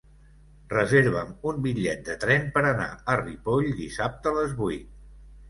Reserva'm un bitllet de tren per anar a Ripoll dissabte a les vuit.